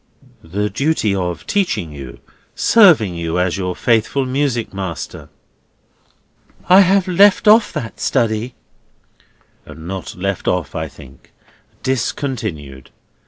"The duty of teaching you, serving you as your faithful music master." "I have left off that study." "Not left off, I think. Discontinued.